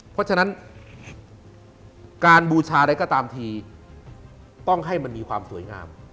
เพราะฉะนั้นการบูชาใดก็ตามทีต้องให้มันมีความสวยงาม